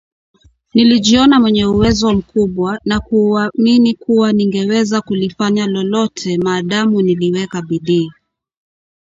Nilijiona mwenye uwezo mkubwa na kuamini kuwa ningeweza kulifanya lolote maadamu niliweka bidii